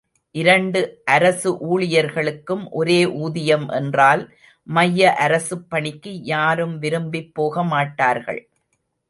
இரண்டு அரசு ஊழியர்களுக்கும் ஒரே ஊதியம் என்றால் மைய அரசுப் பணிக்கு யாரும் விரும்பிப் போகமாட்டார்கள்.